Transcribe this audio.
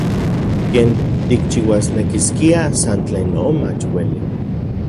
Ken tikchiuasnekiskia san tlen non mach ueli.